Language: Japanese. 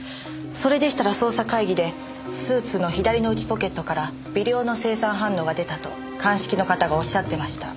それでしたら捜査会議でスーツの左の内ポケットから微量の青酸反応が出たと鑑識の方がおっしゃってました。